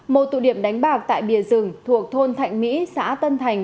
một tụ điểm đánh bạc tại bìa rừng thuộc thôn thạnh mỹ xã tân thành